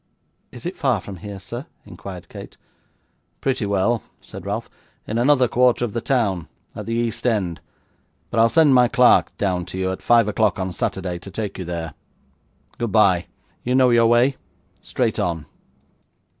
'Is it far from here, sir?' inquired Kate. 'Pretty well,' said Ralph; 'in another quarter of the town at the East end; but I'll send my clerk down to you, at five o'clock on Saturday, to take you there. Goodbye. You know your way? Straight on.